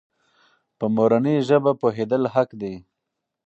په مورنۍ ژبه پوهېدل حق دی.